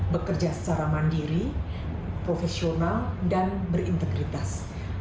bekerja secara mandiri profesional dan berintegritas